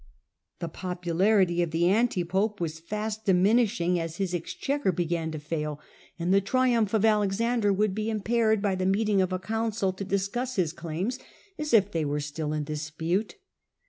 Tue popularity of the anti pope was fast diminishing Digitized by VjOOQIC The M/xoRiTY of Henry IV, 67 as his exchequer began to fail, and the triumph of Alexander would be impaired by the meeting of a council to discuss his claims as if they were still in dispute.